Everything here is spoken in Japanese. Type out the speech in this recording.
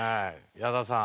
矢田さん。